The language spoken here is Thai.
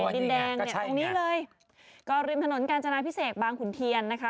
ดินแดงเนี่ยตรงนี้เลยก็ริมถนนกาญจนาพิเศษบางขุนเทียนนะคะ